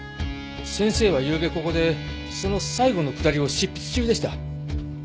先生はゆうべここでその最後のくだりを執筆中でした。